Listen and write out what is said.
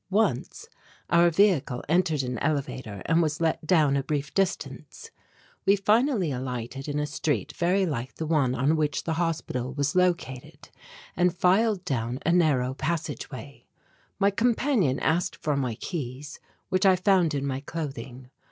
Once our vehicle entered an elevator and was let down a brief distance. We finally alighted in a street very like the one on which the hospital was located, and filed down a narrow passage way. My companion asked for my keys, which I found in my clothing.